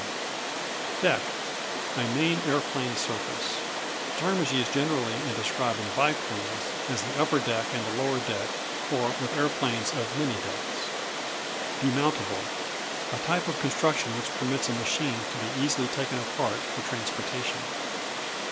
D Deck A main aeroplane surface. The term is used generally in describing biplanes; as the upper deck, and the lower deck; or with aeroplanes of many decks. Demountable A type of construction which permits a machine to be easily taken apart for transportation.